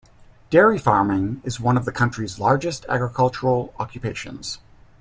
Dairy farming is one of the county's largest agricultural occupations.